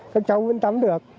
các cháu vẫn tắm được